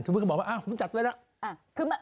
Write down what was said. ถ้าบอกว่าอ้าวผมจัดไว้แล้ว